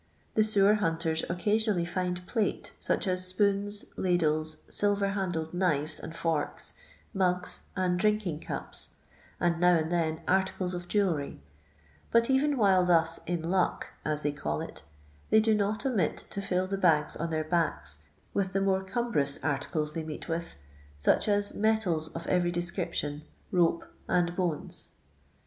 The sewer hunters occasionally find plate, such as spoons, ladles, silver* nandled knives and forks, mugs and drinking cups, and now and then articles of jewellery ; but even while thas " in luck" as they call it, they do not omit to fill the bags on their backs with the more cumbrous articles they meet with — such as metals qf every description, rope and bones.